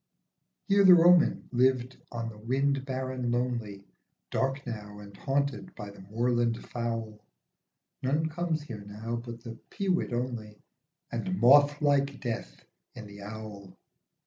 Here the Roman lived on the wind barren lonely, Dark now and haunted by the moorland fowl ; None comes here now but the peewit only, And moth like death in the owl.